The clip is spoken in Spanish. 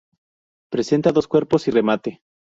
Presenta dos cuerpos y remate.